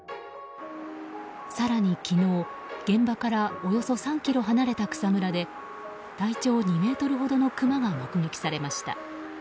更に、昨日現場からおよそ３ｋｍ離れた草むらで体長２ｍほどのクマが目撃されました。